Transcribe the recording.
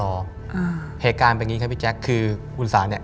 เหตุการณ์เป็นอย่างงี้ครับพี่แจ๊คคือคุณสาเนี่ย